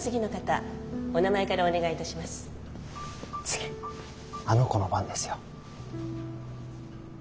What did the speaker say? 次あの子の番ですよ。